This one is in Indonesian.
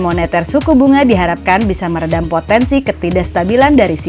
moneter suku bunga diharapkan bisa meredam potensi ketidakstabilan dan kegiatan perekonomian bank indonesia